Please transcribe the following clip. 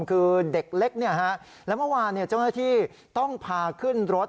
คือเด็กเล็กเนี่ยฮะแล้วเมื่อวานเนี่ยเจ้าหน้าที่ต้องพาขึ้นรถ